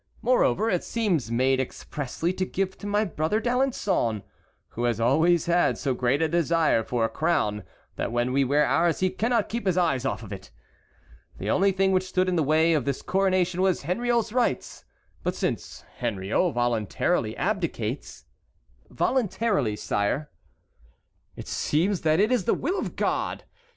Moreover, it seems made expressly to give to my brother D'Alençon, who has always had so great a desire for a crown that when we wear ours he cannot keep his eyes off of it. The only thing which stood in the way of this coronation was Henriot's rights; but since Henriot voluntarily abdicates"— "Voluntarily, sire." "It seems that it is the will of God!